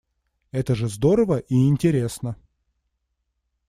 Это же здорово и интересно.